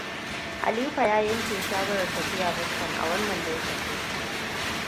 Aliko ya yanke shawarar tafiya Boston a wannan lokacin.